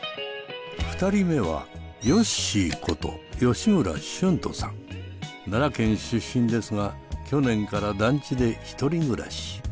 ２人目はよっしーこと奈良県出身ですが去年から団地で１人暮らし。